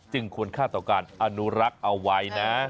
ควรค่าต่อการอนุรักษ์เอาไว้นะ